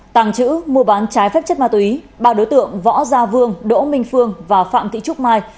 tàng trữ mua bán trái phép chất ma túy ba đối tượng võ gia vương đỗ minh phương và phạm thị trúc mai